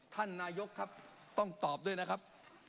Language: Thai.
ท่านนายกครับต้องตอบด้วยนะครับ